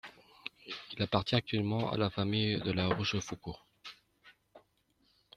Il appartient actuellement à la famille de La Rochefoucauld.